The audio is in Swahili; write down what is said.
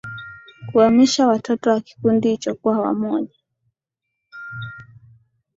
kuhamisha watoto wa kikundi hicho kuwa wamoja